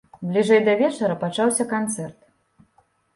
Бліжэй да вечара пачаўся канцэрт.